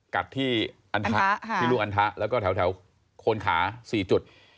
กัดที่ลูกอันทะแล้วก็แถวโคนขา๔จุด